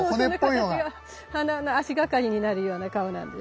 そうその形が足がかりになるような顔なんです。